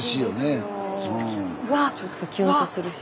スタジオちょっとキュンとするし。